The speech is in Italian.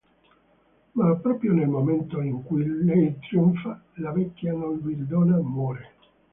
Ma proprio nel momento in cui lei trionfa, la vecchia nobildonna muore.